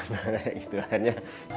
gitu lah akhirnya